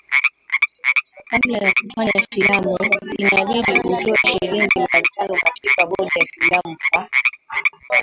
kabla ya kufanya filamu inabidi utoe shilingi laki tano katika bodi ya filamu kwa